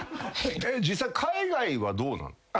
実際海外はどうなの？